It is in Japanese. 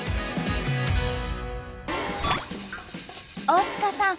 大塚さん